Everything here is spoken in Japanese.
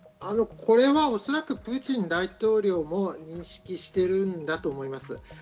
おそらくプーチン大統領も認識しているんだと思います。